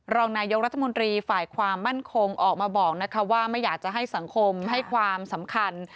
รองนายกรัฐมนตรีฝ่ายความมั่นคงออกมาบอกว่าไม่อยากจะให้สังคมให้ความสำคัญ